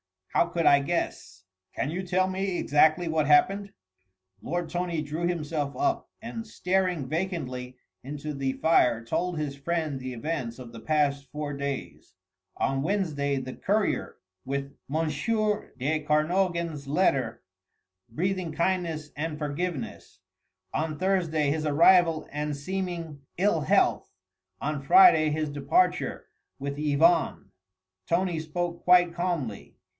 How could I guess?" "Can you tell me exactly what happened?" Lord Tony drew himself up, and staring vacantly into the fire told his friend the events of the past four days. On Wednesday the courier with M. de Kernogan's letter, breathing kindness and forgiveness. On Thursday his arrival and seeming ill health, on Friday his departure with Yvonne. Tony spoke quite calmly.